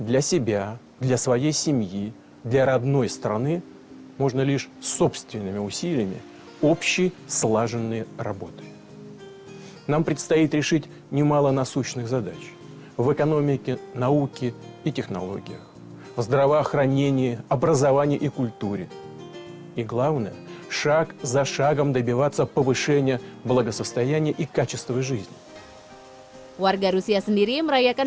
yang penting adalah mencapai kebaikan dan kebaikan kehidupan